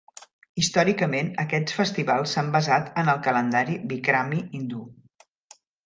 Històricament, aquests festivals s'han basat en el calendari Bikrami hindú.